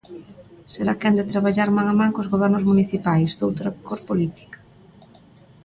Será quen de traballar man a man cos gobernos municipais doutra cor política?